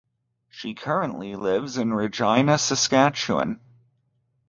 She currently lives in Regina, Saskatchewan.